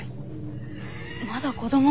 まだ子供。